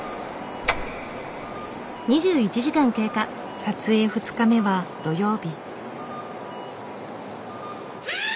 撮影２日目は土曜日。